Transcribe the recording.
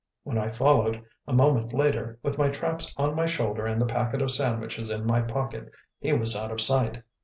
When I followed, a moment later with my traps on my shoulder and the packet of sandwiches in my pocket he was out of sight.